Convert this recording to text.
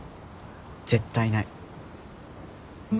絶対ない。